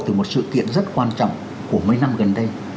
từ một sự kiện rất quan trọng của mấy năm gần đây